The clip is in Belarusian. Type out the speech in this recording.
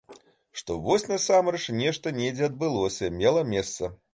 Што, вось, насамрэч нешта недзе адбылося, мела месца.